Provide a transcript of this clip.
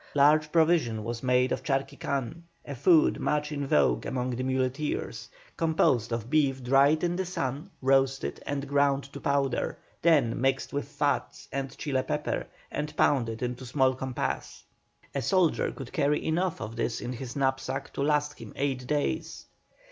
Large provision was made of charquicán, a food much in vogue among the muleteers, composed of beef dried in the sun, roasted, and ground to powder, then mixed with fat and Chile pepper and pounded into small compass. A soldier could carry enough of this in his knapsack to last him eight days.